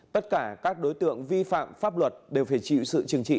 tất cả các đối tượng vi phạm pháp luật đều phải chịu sự trừng trị